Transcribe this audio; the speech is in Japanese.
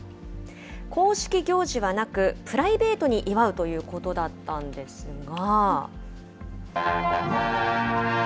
公式行事はなく、プライベートに祝うということだったんですが。